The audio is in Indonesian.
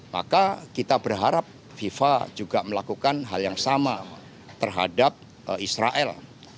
maka kita berharap fifa juga melakukan hal yang sama terhadap israel